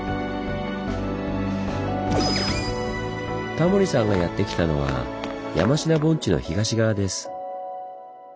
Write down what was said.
タモリさんがやって来たのは山科盆地の東側です。